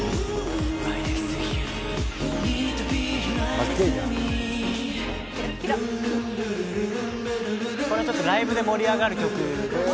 これはちょっとライブで盛り上がる曲。